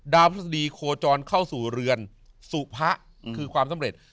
พฤษฎีโคจรเข้าสู่เรือนสุพะคือความสำเร็จ